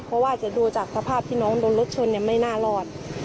เพราะว่าจะดูจากสภาพที่น้องโดนรถชนไม่น่ารอด